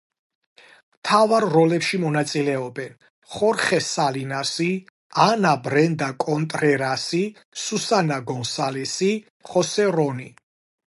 მთავარ როლებში მონაწილეობენ: ხორხე სალინასი, ანა ბრენდა კონტრერასი, სუსანა გონსალესი, ხოსე რონი.